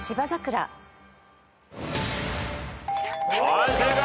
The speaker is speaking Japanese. はい正解。